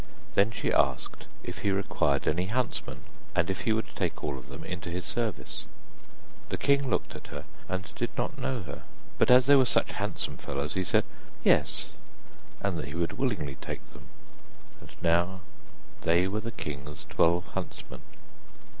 Then she asked if he required any huntsmen, and if he would take all of them into his service. The king looked at her and did not know her, but as they were such handsome fellows, he said: 'Yes,' and that he would willingly take them, and now they were the king's twelve huntsmen.